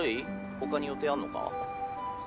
他に予定あんのか？